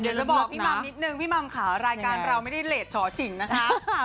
เดี๋ยวจะบอกพี่มัมนิดนึงพี่มัมค่ะรายการเราไม่ได้เลสฉิงนะคะ